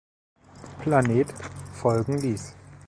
Planet“" folgen ließ.